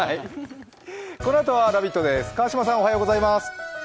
このあと「ラヴィット！」です